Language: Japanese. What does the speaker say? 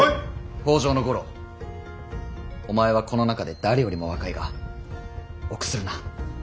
北条五郎お前はこの中で誰よりも若いが臆するな。